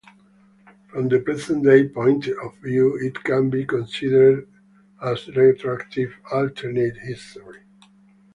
From the present-day point of view, it can be considered as "retroactive" alternate history.